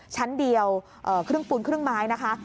ชั้นเดียวครึ่งปูนครึ่งไม้นะคะ